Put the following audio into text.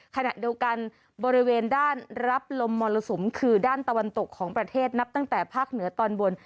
ขณะเดียวกันบริเวณด้านรับลมมรสุมคือด้านตะวันตกของประเทศนับตั้งแต่ภาคเหนือตอนบน